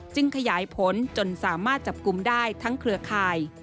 ขยายผลจนสามารถจับกลุ่มได้ทั้งเครือข่าย